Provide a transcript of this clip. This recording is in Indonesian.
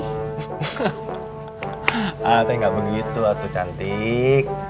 ah teh gak begitu waktu cantik